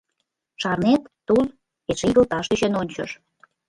— Шарнет, Туз эше игылташ тӧчен ончыш.